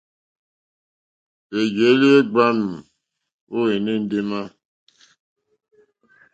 Hwèjèelì hwe gbàamù o ene ndema.